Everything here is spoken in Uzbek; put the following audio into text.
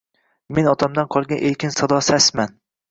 Men otamdan qolgan erkin sado-sasman